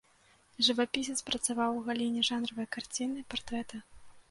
Жывапісец, працаваў у галіне жанравай карціны, партрэта.